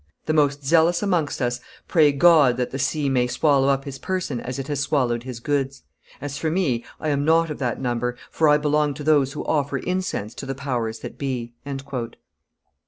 The most zealous amongst us pray God that the sea may swallow up his person as it has swallowed his goods. As for me, I am not of that number, for I belong to those who offer incense to the powers that be."